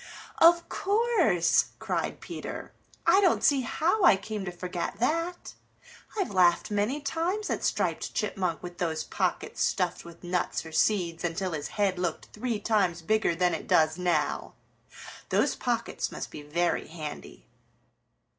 "Of course," cried Peter. "I don't see how I came to forget that. I've laughed many times at Striped Chipmunk with those pockets stuffed with nuts or seeds until his head looked three times bigger than it does now. Those pockets must be very handy."